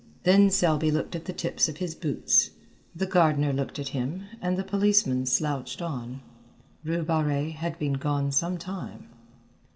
Then Selby looked at the tips of his boots, the gardener looked at him and the policeman slouched on. Rue Barrée had been gone some time.